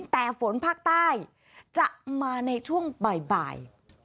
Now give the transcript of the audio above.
แต่ฝนภาคใต้จะมาในช่วงบ่าย